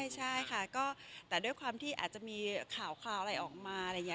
ใช่ค่ะก็แต่ด้วยความที่อาจจะมีข่าวอะไรออกมาอะไรอย่างนี้